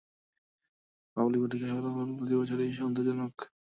Public পরীক্ষার ফলাফল প্রতি বছর-ই সন্তোষজনক।